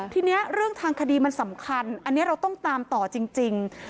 ทีนี้เรื่องทางคดีมันสำคัญอันนี้เราต้องตามต่อจริง